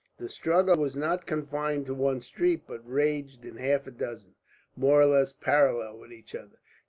The struggle was not confined to one street, but raged in half a dozen, more or less parallel with each other.